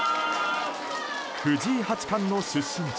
藤井八冠の出身地